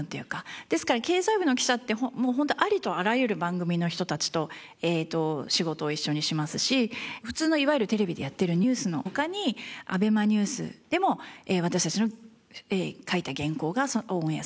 ですから経済部の記者ってありとあらゆる番組の人たちと仕事を一緒にしますし普通のいわゆるテレビでやってるニュースのほかにＡＢＥＭＡＮＥＷＳでも私たちの書いた原稿がオンエアされますし。